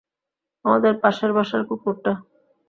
আমাদের পাশের বাসার কুকুরটা।